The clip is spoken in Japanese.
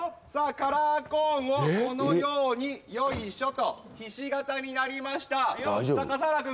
カラーコーンをこのようによいしょとひし形になりましたさあかさはらくん